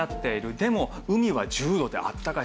でも海は１０度であったかい。